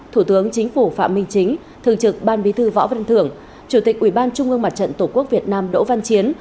thủ tướng chính phủ phạm minh chính thường trực ban bí thư võ văn thưởng chủ tịch ủy ban trung ương mặt trận tổ quốc việt nam đỗ văn chiến